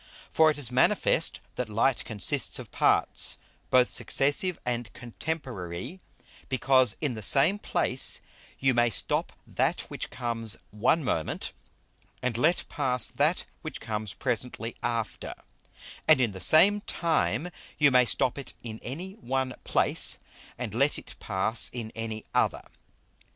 _ For it is manifest that Light consists of Parts, both Successive and Contemporary; because in the same place you may stop that which comes one moment, and let pass that which comes presently after; and in the same time you may stop it in any one place, and let it pass in any other.